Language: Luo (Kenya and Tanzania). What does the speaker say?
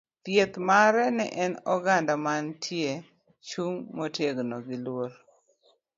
Dhieth mare ne en oganda mantie chung' motegno gi luor.